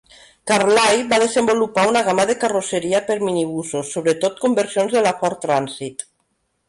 Carlyle va desenvolupar una gamma de carrosseria per minibusos, sobretot conversions de la Ford Transit.